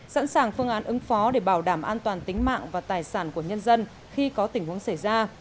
sẵn sàng phương án ứng phó để bảo đảm an toàn tính mạng và tài sản của nhân dân khi có tình huống xảy ra